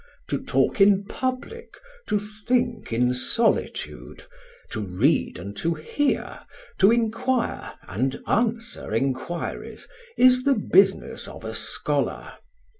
To talk in public, to think in solitude, to read and to hear, to inquire and answer inquiries, is the business of a scholar.